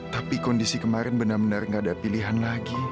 tapi kondisi kemarin benar benar gak ada pilihan lagi